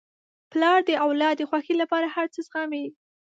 پلار د اولاد د خوښۍ لپاره هر څه زغمي.